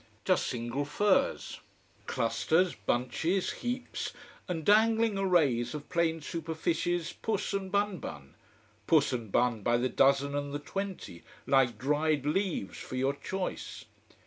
Just single furs. Clusters, bunches, heaps, and dangling arrays of plain superficies puss and bun bun! Puss and bun by the dozen and the twenty, like dried leaves, for your choice.